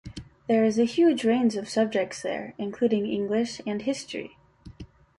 There is a huge range of subjects there, including English and History.